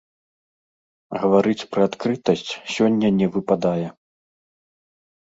Гаварыць пра адкрытасць сёння не выпадае.